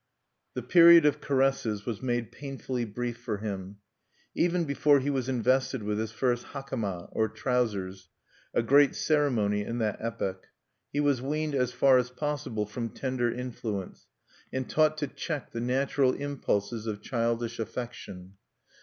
The period of caresses was made painfully brief for him. Even before he was invested with his first hakama, or trousers, a great ceremony in that epoch, he was weaned as far as possible from tender influence, and taught to check the natural impulses of childish affection.